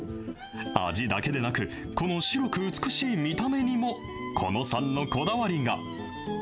味だけでなく、この白く美しい見た目にも狐野さんのこだわりが。